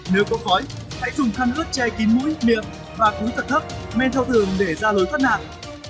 nếu có khói hãy dùng khăn ướt che kín mũi miệng và cúi thật thấp men theo thường để ra lối phân nạn